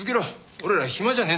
俺らは暇じゃねえんだ。